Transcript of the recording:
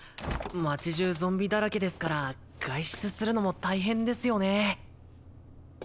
街中ゾンビだらけですから外出するのも大変ですよね。